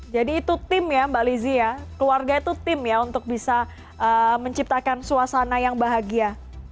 jadi itu tim ya mbak lizzie ya keluarga itu tim ya untuk bisa menciptakan suasana yang bahagia